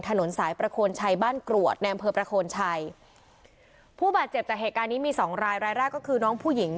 ถนนสายประโคนชัยบ้านกรวดในอำเภอประโคนชัยผู้บาดเจ็บจากเหตุการณ์นี้มีสองรายรายแรกก็คือน้องผู้หญิง